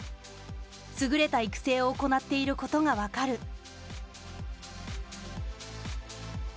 優れた育成を行っていることが分かる。